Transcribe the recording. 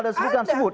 tidak ada sebut